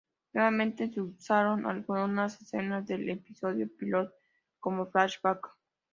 Nuevamente se usaron algunas escenas del episodio Pilot como flashbacks.